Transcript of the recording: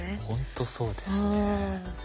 ほんとそうですね。